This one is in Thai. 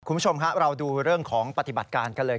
คุณผู้ชมฮะเราดูเรื่องของปฏิบัติการกันเลย